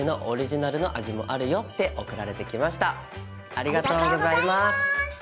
ありがとうございます。